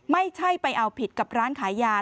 ไม่ใช่ไปเอาผิดกับร้านขายยา